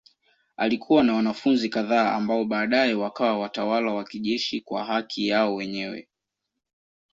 Alikuwa na wanafunzi kadhaa ambao baadaye wakawa watawala wa kijeshi kwa haki yao wenyewe.